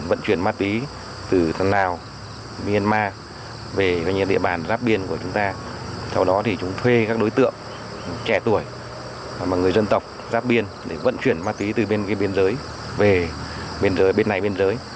vận chuyển ma túy từ bên cái biên giới về biên giới bên này biên giới